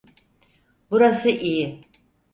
Burası iyi.